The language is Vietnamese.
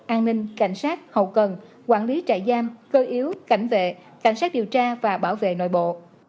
an ninh cảnh sát hậu cần quản lý trại giam cơ yếu cảnh vệ cảnh sát điều tra và bảo vệ nội bộ